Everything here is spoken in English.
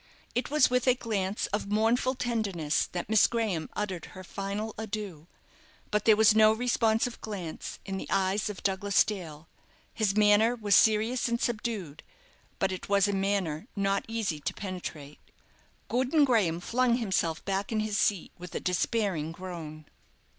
It was with a glance of mournful tenderness that Miss Graham uttered her final adieu; but there was no responsive glance in the eyes of Douglas Dale. His manner was serious and subdued; but it was a manner not easy to penetrate. Gordon Graham flung himself back in his seat with a despairing groan.